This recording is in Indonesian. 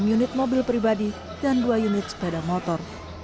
enam unit mobil pribadi dan dua unit sepeda motor